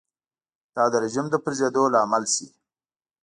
دا د رژیم د پرځېدو لامل شي.